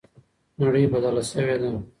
نړۍ بدله سوې ده.